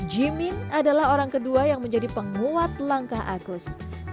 jimin adalah orang kedua yang menjadi penguat langkah agus